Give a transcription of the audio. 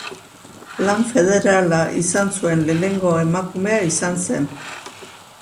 Lan federala izan zuen lehenengo emakumea izan zen.